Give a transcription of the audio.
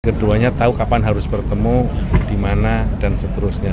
keduanya tahu kapan harus bertemu di mana dan seterusnya